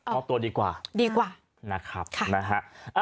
มอบตัวดีกว่าดีกว่านะครับนะฮะ